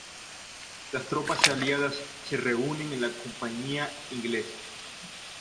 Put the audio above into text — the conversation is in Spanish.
Las tropas aliadas se reúnen en la campiña inglesa.